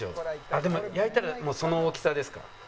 あっでも焼いたらもうその大きさですか？